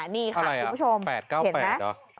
นี่ค่ะคุณผู้ชมเห็นไหมอ่านี่ค่ะคุณผู้ชมอะไรอ่ะ๘๙๘อ่ะ